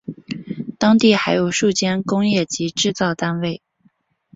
当地还有数间工业及制造单位。